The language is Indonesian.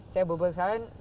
saya berbuat kesalahan